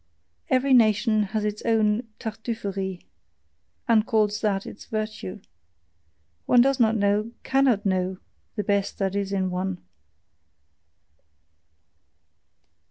Every nation has its own "Tartuffery," and calls that its virtue. One does not know cannot know, the best that is in one.